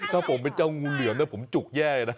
ถ้าผมเป็นเจ้างูเหลือมนะผมจุกแย่นะ